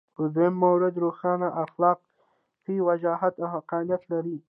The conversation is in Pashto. خو دویم مورد روښانه اخلاقي وجاهت او حقانیت لري.